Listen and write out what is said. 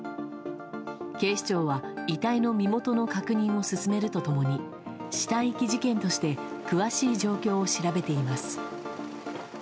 警視庁は、遺体の身元の確認を進めると共に死体遺棄事件として詳しい状況を調べています。